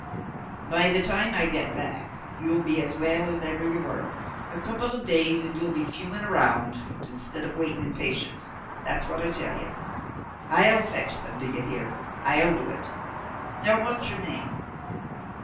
"By the time I get back you'll be as well as ever you were. A couple of days and you'll be fuming round instead of waiting in patience that's what I tell you. I'll fetch them do you hear? I'll do it. Now what's your name?